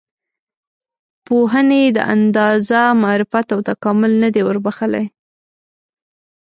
پوهنې دا اندازه معرفت او تکامل نه دی وربښلی.